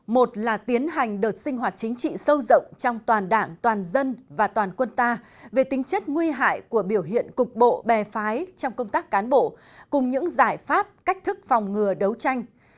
một là tiến hành đợt sinh hoạt chính trị sâu rộng trong toàn đảng toàn dân và toàn quân ta về tính chất nguy hại của biểu hiện cục bộ bè phái trong công tác cán bộ cùng những giải pháp cách thức phòng ngừa đấu tranh